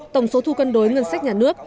tổng số thu cân đối ngân sách nhà nước